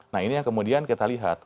nah ini yang kemudian kita lihat